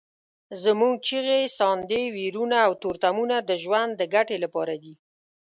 زموږ چیغې، ساندې، ویرونه او تورتمونه د ژوند د ګټې لپاره دي.